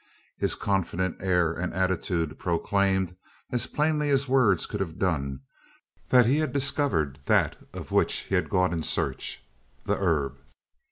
His confident air and attitude proclaimed, as plainly as words could have done, that he had discovered that of which he had gone in search the "yarb."